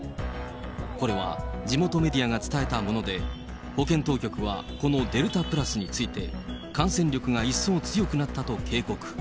これは地元メディアが伝えたもので、保健当局は、このデルタプラスについて、感染力が一層強くなったと警告。